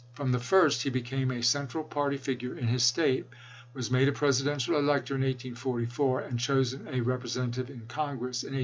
From the first he became a central party figure in his State, was made a Presidential elector in 1844, and chosen a Representative in Congress in 1845.